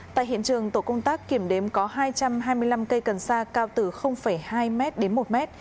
tại hiện trường tổ công tác kiểm đếm có hai trăm hai mươi năm cây cần sa cao từ hai m đến một mét